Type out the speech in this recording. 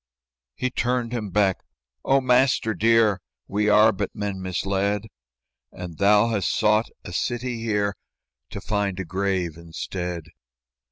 He turned him back; "O master dear, We are but men misled; And thou hast sought a city here To find a grave instead."